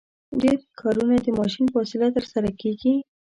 ډېر کارونه د ماشین په وسیله ترسره کیږي.